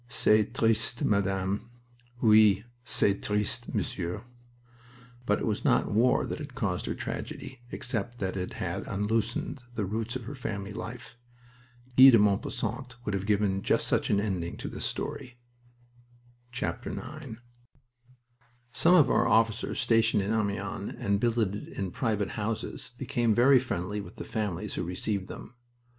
"C'est triste, Madame!" "Oui, c'est triste, Monsieur!" But it was not war that had caused her tragedy, except that it had unloosened the roots of her family life. Guy de Maupassant would have given just such an ending to his story. IX Some of our officers stationed in Amiens, and billeted in private houses, became very friendly with the families who received them.